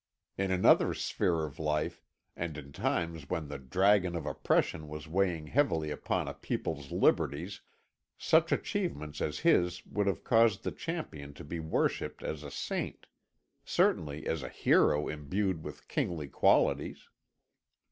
In another sphere of life, and in times when the dragon of oppression was weighing heavily upon a people's liberties, such achievements as his would have caused the champion to be worshipped as a saint certainly as a hero imbued with kingly qualities.